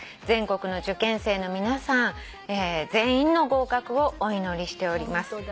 「全国の受験生の皆さん全員の合格をお祈りしております」